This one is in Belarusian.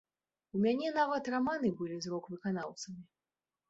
У мяне нават раманы былі з рок-выканаўцамі.